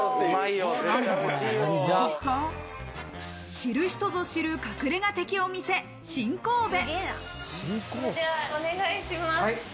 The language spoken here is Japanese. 知る人ぞ知る隠れ家的お店、新神戸。